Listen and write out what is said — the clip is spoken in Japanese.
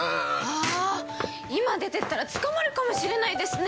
あ今出てったらつかまるかもしれないですね。